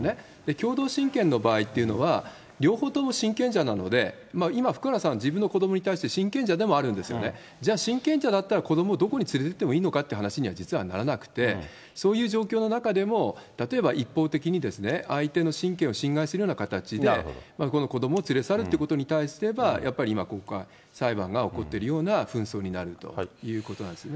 共同親権の場合っていうのは、両方とも親権者なので、今、福原さんは、自分の子どもに対して親権者でもあるんですよね、じゃあ、親権者だったら子どもをどこに連れていってもいいのかという話に実はならなくて、そういう状況の中でも、例えば一方的に相手の親権を侵害するような形でこの子どもを連れ去るということに対して言えば、やっぱり今、裁判が起こっているような紛争になるということなんですね。